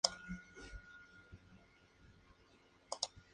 Las manifestaciones son reprimidas por la policía.